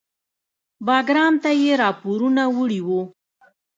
بګرام ته یې راپورونه وړي وو.